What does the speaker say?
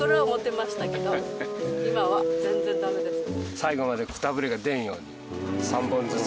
最後までくたびれが出んように３本ずつ。